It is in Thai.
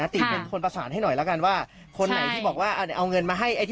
ที่บอกว่าเอาเงินให้